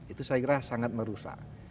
itu saya kira sangat merusak